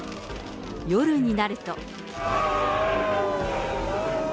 夜になると。